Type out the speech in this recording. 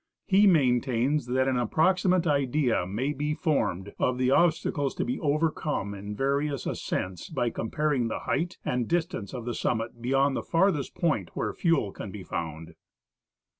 ^ He maintains that an ap proximate idea may be formed of the obstacles to be overcome in various ascents by comparing the height and distance of the summit beyond the farthest point where fuel can be found.